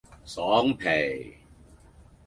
爽皮